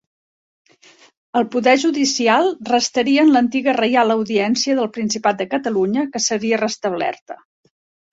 El poder judicial restaria en l'antiga Reial Audiència del Principat de Catalunya que seria restablerta.